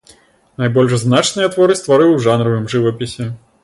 Найбольш значныя творы стварыў у жанравым жывапісе.